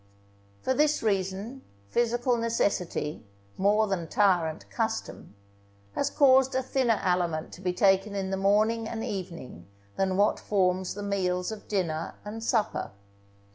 For this reason physical necessity, more than tyrant custom, has caused a thinner aliment to be taken in the morning and evening than what forms the meals of dinner and supper.